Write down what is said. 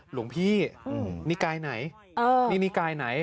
หลวงพี่นิกายไหนนี่นิกายไหน